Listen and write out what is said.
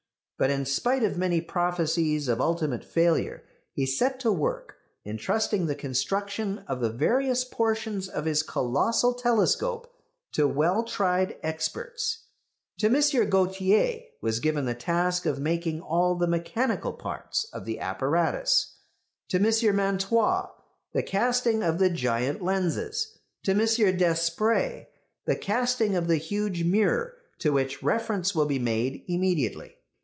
But in spite of many prophecies of ultimate failure he set to work, entrusting the construction of the various portions of his colossal telescope to well tried experts. To M. Gautier was given the task of making all the mechanical parts of the apparatus; to M. Mantois the casting of the giant lenses; to M. Despret the casting of the huge mirror, to which reference will be made immediately.